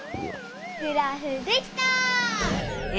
グラフできた！